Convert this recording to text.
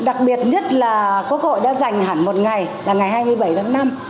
đặc biệt nhất là quốc hội đã dành hẳn một ngày là ngày hai mươi bảy tháng năm